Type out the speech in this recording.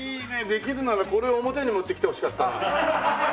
できるならこれを表に持ってきてほしかったのに！